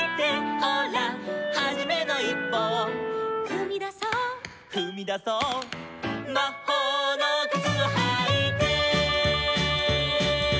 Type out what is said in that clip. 「ほらはじめのいっぽを」「ふみだそう」「ふみだそう」「まほうのくつをはいて」